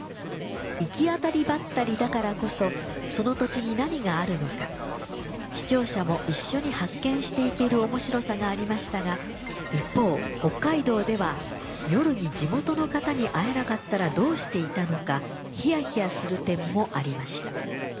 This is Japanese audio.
「行き当たりばったりだからこそその土地に何があるのか視聴者も一緒に発見して行ける面白さがありましたが一方北海道では夜に地元の方に会えなかったらどうしていたのかひやひやする点もありました。